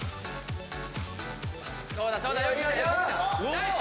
ナイス！